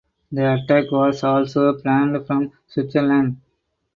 The attack was also planned from Switzerland.